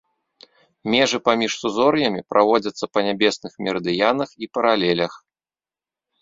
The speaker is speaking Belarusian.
Межы паміж сузор'ямі праводзяцца па нябесных мерыдыянах і паралелях.